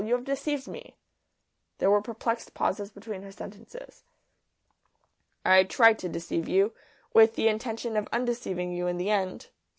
You have deceived me." There were perplexed pauses between her sentences. "I tried to deceive you, with the intention of undeceiving you in the end.